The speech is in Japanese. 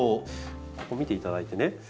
ここ見ていただいてね